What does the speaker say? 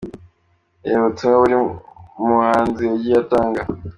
Reba ubutumwa buri muhanzi yagiye atanga.